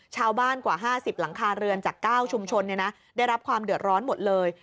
กว่า๕๐หลังคาเรือนจาก๙ชุมชนได้รับความเดือดร้อนหมดเลย